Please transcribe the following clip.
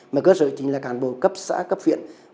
mà cơ sở chính là cán bộ cấp xã cấp huyện